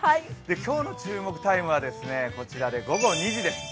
今日の注目タイムは、午後２時です。